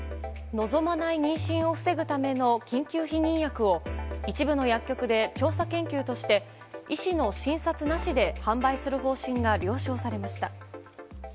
望まない妊娠を防ぐための緊急避妊薬を一部の薬局で調査研究として医師の診察なしで販売する方針が了承されました。